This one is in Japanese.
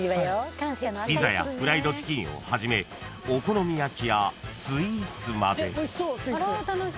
［ピザやフライドチキンをはじめお好み焼きやスイーツまで］